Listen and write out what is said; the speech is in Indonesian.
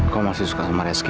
kok masih suka sama reski